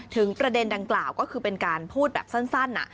ประเด็นดังกล่าวก็คือเป็นการพูดแบบสั้น